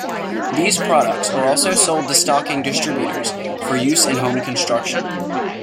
These products are also sold to stocking distributors for use in home construction.